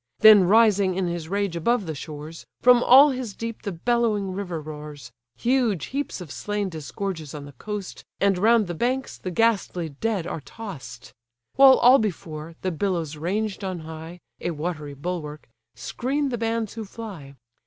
Then rising in his rage above the shores, From all his deep the bellowing river roars, Huge heaps of slain disgorges on the coast, And round the banks the ghastly dead are toss'd. While all before, the billows ranged on high, (A watery bulwark,) screen the bands who fly.